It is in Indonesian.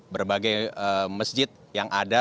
berbagai masjid yang ada